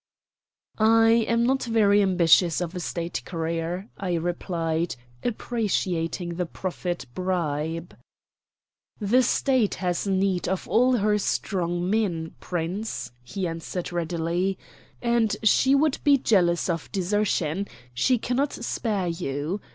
"I am not very ambitious of a State career," I replied, appreciating the proffered bribe. "The State has need of all her strong men, Prince," he answered readily, "and she would be jealous of desertion; she cannot spare you.